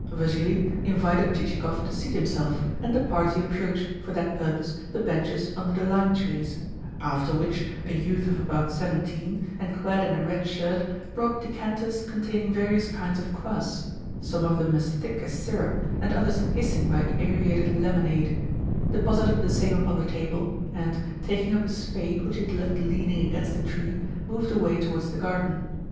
Vassili invited Chichikov to seat himself, and the party approached, for that purpose, the benches under the lime trees; after which a youth of about seventeen, and clad in a red shirt, brought decanters containing various kinds of kvass (some of them as thick as syrup, and others hissing like aerated lemonade), deposited the same upon the table, and, taking up a spade which he had left leaning against a tree, moved away towards the garden.